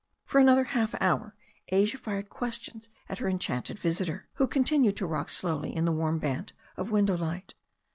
For another half hour Asia fired questions at her en chanted visitor, who continued to rock slowly in the warm band of window light.